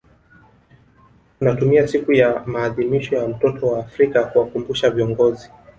Tunatumia siku ya maadhimisho ya mtoto wa Afrika kuwakumbusha viongozi